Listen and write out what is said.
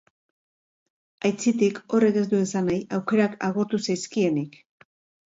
Aitzitik, horrek ez du esan nahi aukerak agortu zaizkienik.